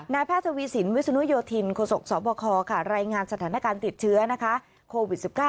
แพทย์ทวีสินวิศนุโยธินโคศกสบครายงานสถานการณ์ติดเชื้อโควิด๑๙